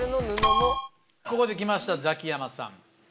ここで来ましたザキヤマさん。